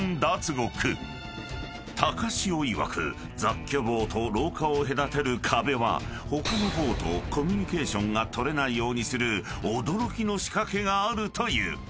［高塩いわく雑居房と廊下を隔てる壁は他の房とコミュニケーションが取れないようにする驚きの仕掛けがあるという］